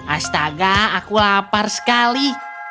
astaga aku lapar sekali